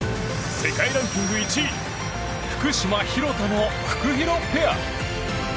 世界ランキング１位福島、廣田のフクヒロペア。